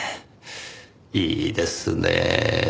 いいですねぇ。